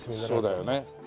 そうだよね。